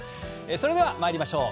それでは参りましょう。